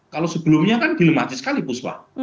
kalau sebelumnya kan dilematis sekali puswa